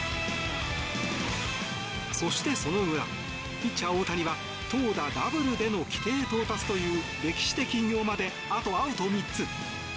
そして、その裏ピッチャー・大谷は投打ダブルでの規定到達という歴史的偉業まであとアウト３つ。